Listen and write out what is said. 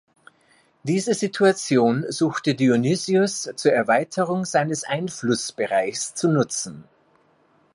Diese Situation suchte Dionysios zur Erweiterung seines Einflussbereiches zu nutzen.